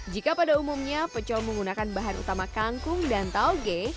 jika pada umumnya pecel menggunakan bahan utama kangkung dan tauge